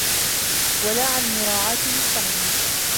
وَلَا عَنْ الْمُرَاعَاةِ مُسْتَغْنِيَةً